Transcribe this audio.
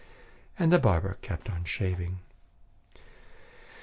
And the barber kept on shaving.